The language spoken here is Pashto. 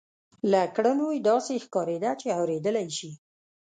له کړنو یې داسې ښکارېده چې اورېدلای شي